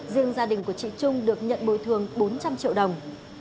riêng gia đình của chị trung được nhận bồi thường bốn trăm linh triệu đồng